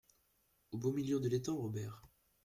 Au beau milieu de l’étang Robert !